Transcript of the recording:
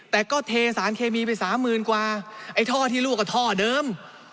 แต่ก็เทสารเคมีไปสามหมื่นกว่าไอ้ท่อที่ลวกกับท่อเดิม